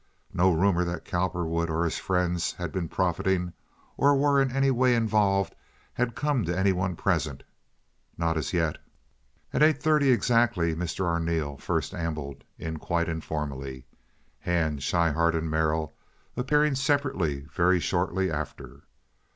No rumor that Cowperwood or his friends had been profiting or were in any way involved had come to any one present—not as yet. At eight thirty exactly Mr. Arneel first ambled in quite informally, Hand, Schryhart, and Merrill appearing separately very shortly after.